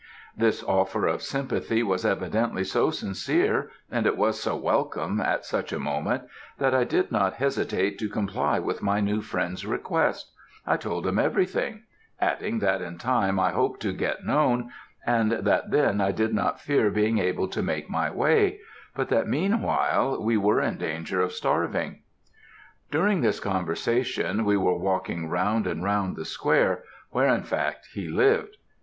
"This offer of sympathy was evidently so sincere, and it was so welcome, at such a moment, that I did not hesitate to comply with my new friend's request I told him everything adding that in time I hoped to get known, and that then I did not fear being able to make my way; but that meanwhile we were in danger of starving. "During this conversation we were walking round and round the square, where in fact he lived.